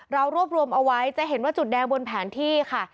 เรารวบรวมเอาไว้จะเห็นว่าจุดแดงบนแผนที่ค่ะ